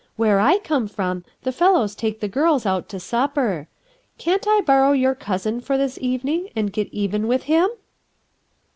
Where I come from, the fellows take the girls out to supper. Can't I borrow your cousin for this evening, and get even with him?"